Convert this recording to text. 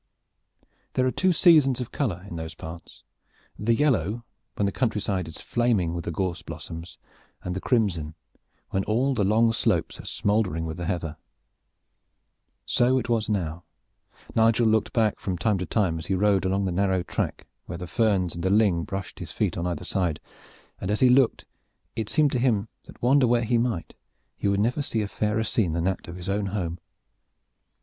There are two seasons of color in those parts: the yellow, when the country side is flaming with the gorse blossoms, and the crimson, when all the long slopes are smoldering with the heather. So it was now. Nigel looked back from time to time, as he rode along the narrow track where the ferns and the ling brushed his feet on either side, and as he looked it seemed to him that wander where he might he would never see a fairer scene than that of his own home.